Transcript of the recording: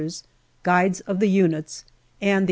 's, guides of the units and the A.